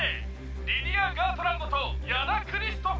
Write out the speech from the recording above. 「リディア・ガートランドとヤナ・クリストファです！」